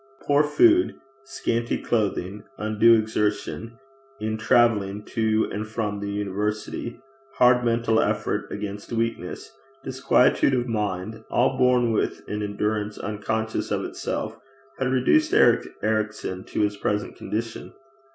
Poor food, scanty clothing, undue exertion in travelling to and from the university, hard mental effort against weakness, disquietude of mind, all borne with an endurance unconscious of itself, had reduced Eric Ericson to his present condition.